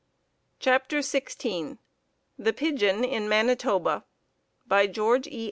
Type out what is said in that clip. CHAPTER XVI The Pigeon in Manitoba[G] By George E.